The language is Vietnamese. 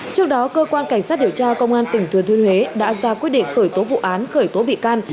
trước đó cơ quan cảnh sát điều tra công an tỉnh thừa thiên huế đã ra quyết định khởi tố vụ án khởi tố bị can